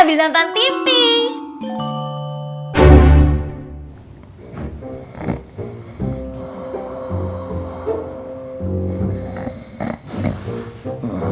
mak ini yang pejitin ya